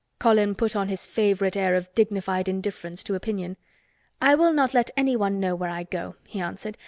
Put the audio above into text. Colin put on his favorite air of dignified indifference to opinion. "I will not let anyone know where I go," he answered.